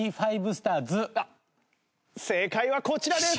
正解はこちらです。